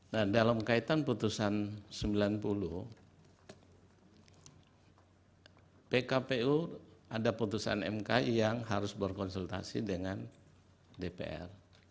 nah dalam kaitan putusan sembilan puluh pkpu ada putusan mk yang harus berkonsultasi dengan dpr